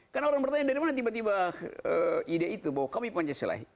karena orang bertanya dari mana tiba tiba ide itu bahwa kami pancasila